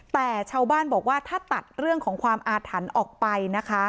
แต่ชาวบ้านบอกว่าถ้าตัดเรื่องของความอาถรรพ์ออกไปนะคะ